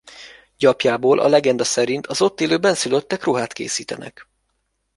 Gyapjából a legenda szerint az ott élő bennszülöttek ruhát készítenek.